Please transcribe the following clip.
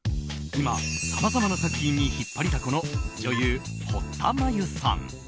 今、さまざまな作品に引っ張りだこの女優堀田真由さん。